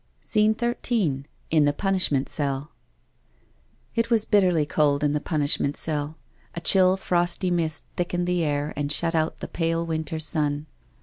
SCENE XIII IN THE PUNISHMENT CELL It was bitterly cold in the punishment cell. A chill frosty mist thickened the air and shut out the pale winter sun.